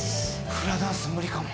フラダンス無理かも。